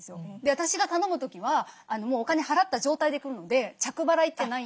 私が頼む時はお金払った状態で来るので着払いってないんですよね。